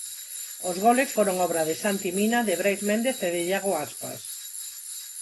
Os goles foron obra de Santi Mina, de Brais Méndez e de Iago Aspas.